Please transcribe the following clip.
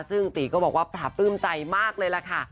ซึ่งตีก็บอกว่าปราบปลื้มใจมากเลยล่ะค่ะ